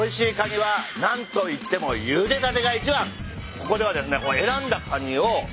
ここではですね。